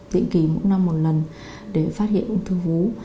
tiện kỳ một năm một lần để phát hiện ung thư vú